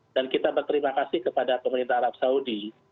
dan kita berterima kasih kepada pemerintah arab saudi